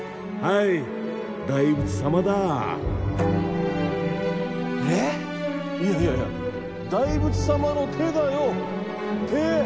いやいやいや大仏様の手だよ手。